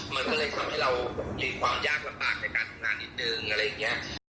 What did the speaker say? มันก็เลยทำให้เรามีความยากลำบากในการทำงานนิดนึงอะไรอย่างนี้